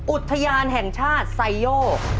อุทยานแห่งชาติไซโยก